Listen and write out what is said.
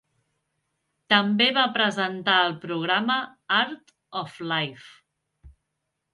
També va presentar el programa "Art of Life".